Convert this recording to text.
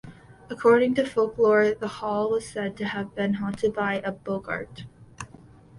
According to folklore, the hall was said to have been haunted by a boggart.